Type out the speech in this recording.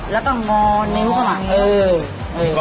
แล้วก็มอนนิ้วก็ห่อ